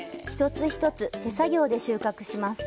１つ１つ、手作業で収穫します。